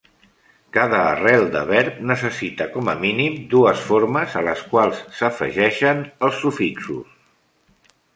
Cada arrel de verb necessita, com a mínim, dues formes a les quals s"afegeixen els sufixos.